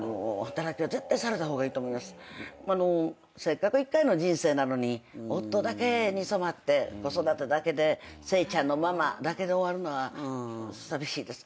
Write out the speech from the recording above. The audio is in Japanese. せっかく一回の人生なのに夫だけに染まって子育てだけでせいちゃんのママだけで終わるのは寂しいです。